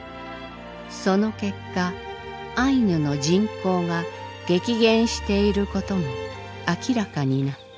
その結果アイヌの人口が激減していることも明らかになった。